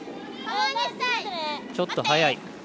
ちょっと速い。